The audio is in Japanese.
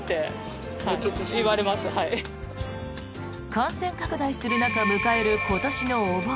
感染拡大する中、迎える今年のお盆。